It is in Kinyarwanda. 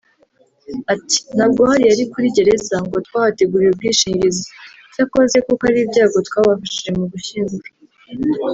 Ati“Ntabwo hariya ari kuri gereza ngo twahateguriye ubwishingizi cyakora kuko ari ibyago twabafashije mu gushyingura”